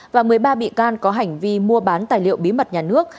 và một mươi ba bị can có hành vi mua bán tài liệu bí mật nhà nước